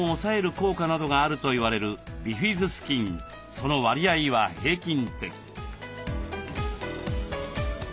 その割合は平均的。